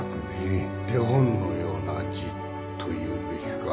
手本のような字というべきか